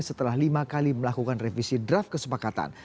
setelah lima kali melakukan revisi draft kesepakatan